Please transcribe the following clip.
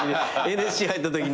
ＮＳＣ入ったときに。